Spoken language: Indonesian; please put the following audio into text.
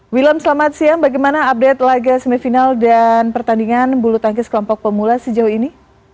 wilam selamat siang bagaimana update laga semifinal dan pertandingan bulu tangkis kelompok pemula sejauh ini